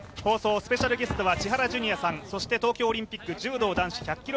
スペシャルゲストは千原ジュニアさん、そして東京オリンピック柔道１００キロ